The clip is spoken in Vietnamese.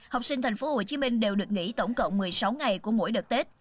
học sinh tp hcm đều được nghỉ tổng cộng một mươi sáu ngày của mỗi đợt tết